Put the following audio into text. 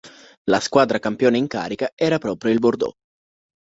La squadra campione in carica era proprio il Bordeaux.